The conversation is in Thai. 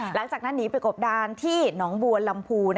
หลังจากนั้นหนีไปกบดานที่หนองบัวลำพู